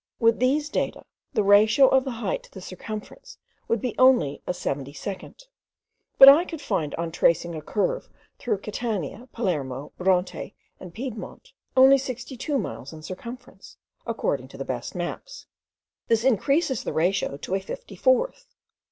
With these data, the ratio of the height to the circumference would be only a seventy second; but I find on tracing a curve through Catania, Palermo, Bronte, and Piemonte, only 62 miles in circumference, according to the best maps. This increases the ratio to a fifty fourth.